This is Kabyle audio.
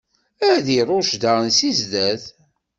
Ad t-iṛucc daɣen si zdat.